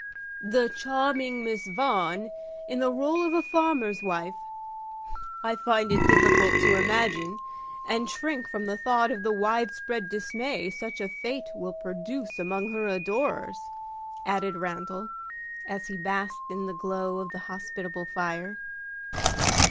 "The charming Miss Vaughan in the role of a farmer's wife. I find it difficult to imagine, and shrink from the thought of the wide spread dismay such a fate will produce among her adorers," added Randal, as he basked in the glow of the hospitable fire.